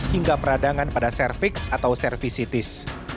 hingga peradangan pada cervix atau servicetis